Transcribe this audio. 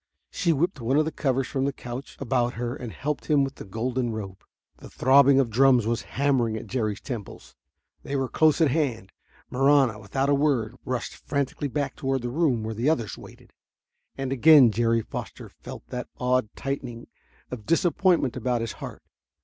She whipped one of the covers from the couch about her and helped him with the golden robe. The throbbing of drums was hammering at Jerry's temples. They were close at hand! Marahna, without a word, rushed frantically back toward the room where the others waited. And again Jerry Foster felt that odd tightening of disappointment about his heart.